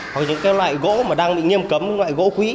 hoặc những cái loại gỗ mà đang bị nghiêm cấm những loại gỗ quỷ